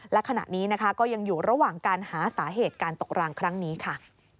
และขณะนี้นะคะก็ยังอยู่ระหว่างการหาสาเหตุการตกรางครั้งนี้ค่ะ